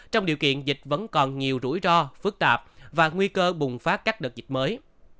trong điều kiện dịch vẫn còn nhiều rủi ro phức tạp và nguy cơ bùng phát các đợt dịch mới